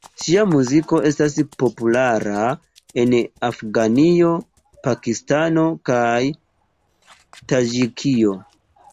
Ŝia muziko estas populara en Afganio, Pakistano kaj Taĝikio.